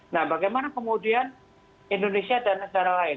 nah bagaimana kemudian indonesia dan negara lain